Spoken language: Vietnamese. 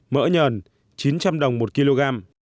mỡ nhờn chín trăm linh đồng một kg